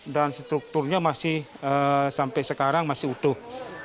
dan strukturnya masih sampai sekarang masih utuh